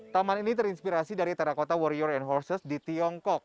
taman ini terinspirasi dari terakota warrior and horses di tiongkok